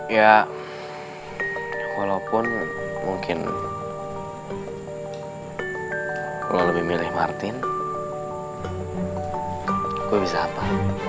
ya walaupun mungkin kalau lebih milih martin gue bisa apa